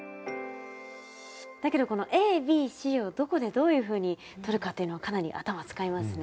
だけどこのＡＢＣをどこでどういうふうにとるかっていうのはかなり頭使いますね。